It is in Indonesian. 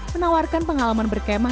menawarkan pengalaman berkema